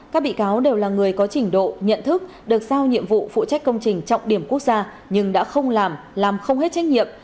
các bị cáo đều là người có trình độ nhận thức được giao nhiệm vụ phụ trách công trình trọng điểm quốc gia nhưng đã không làm làm không hết trách nhiệm